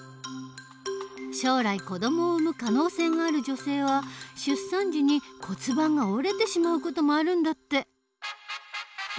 将来子どもを産む可能性がある女性は出産時に骨盤が折れてしまう事もあるんだって。